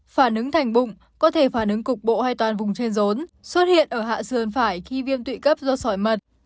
phản ứng thành bụng có thể phản ứng cục bộ hay toàn vùng trên rốn xuất hiện ở hạ sườn phải khi viêm tụy cấp do sỏi mật